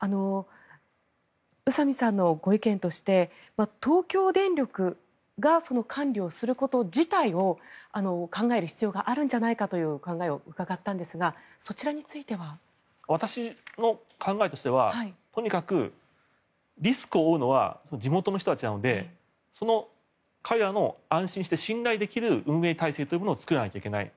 宇佐美さんのご意見として東京電力が管理をすること自体を考える必要があるんじゃないかという考えを伺ったんですが私の考えとしてはとにかくリスクを負うのは地元の人たちなので彼らが安心して信頼できる運営体制を作らないといけない。